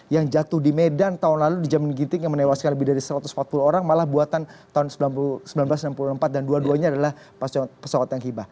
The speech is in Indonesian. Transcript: yang jatuh di medan tahun lalu di jamin ginting yang menewaskan lebih dari satu ratus empat puluh orang malah buatan tahun seribu sembilan ratus enam puluh empat dan dua duanya adalah pesawat yang hibah